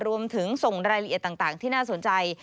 รวมถึงส่งรายละเอียดต่างที่น่าสนใจ